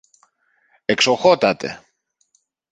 Εξοχώτατε!